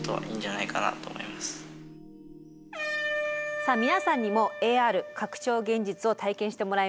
さあ皆さんにもＡＲ拡張現実を体験してもらいます。